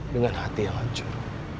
dengan hati yang hancur